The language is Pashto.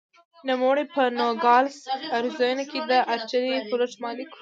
نوموړی په نوګالس اریزونا کې د ارټلي فلوټ مالک و.